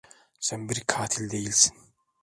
Sen bir katil değilsin.